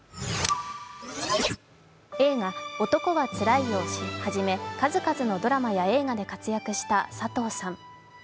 映画「男はつらいよ」をはじめ数々のドラマや映画で活躍した佐藤さん。